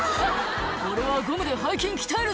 「俺はゴムで背筋鍛えるぞ」